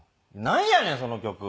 なんやねんその曲。